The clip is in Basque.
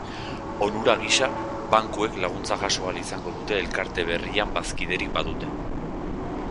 Onura gisa, bankuek laguntza jaso ahal izango dute elkarte berrian bazkiderik badute.